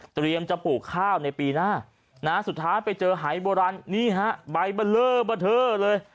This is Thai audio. เตรียมจะปลูกข้าวในปีหน้าสุดท้ายไปเจอหายโบราณนี่ฮะใบเบลอเบอร์เทอร์เลย